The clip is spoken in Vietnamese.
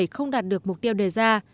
không đạt được mục tiêu đề ra